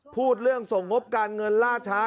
พูดเรื่องส่งงบการเงินล่าช้า